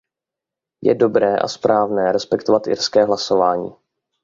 Je dobré a správné respektovat irské hlasování.